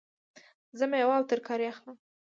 زه میوه او ترکاری اخلم